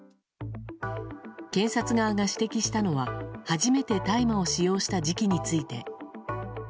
検察側が指摘したのは初めて大麻を使用した時期について。